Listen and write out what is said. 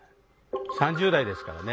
３０代ですからね。